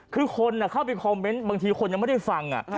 คือคนเข้าไปคอมเมนต์บางทีคนยังไม่ได้ฟัง